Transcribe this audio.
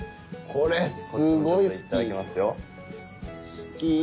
これすごい好き。